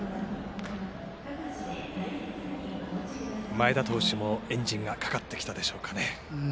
前田投手もエンジンがかかってきたでしょうかね。